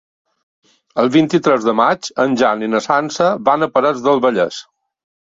El vint-i-tres de maig en Jan i na Sança van a Parets del Vallès.